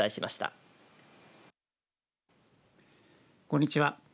こんにちは。